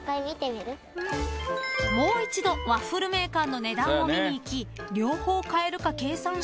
［もう一度ワッフルメーカーの値段を見に行き両方買えるか計算してみるが］